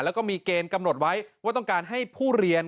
แล้วก็มีเกณฑ์กำหนดไว้ว่าต้องการให้ผู้เรียน